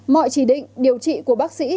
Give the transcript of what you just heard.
mọi chỉ định điều trị của bác sĩ